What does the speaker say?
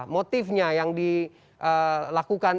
motifnya yang dilakukan